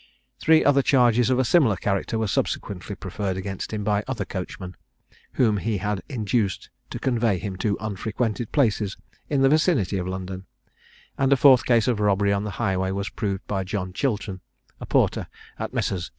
Three other charges of a similar character were subsequently preferred against him by other coachmen, whom he had induced to convey him to unfrequented places in the vicinity of London; and a fourth case of robbery on the highway was proved by John Chilton, a porter at Messrs.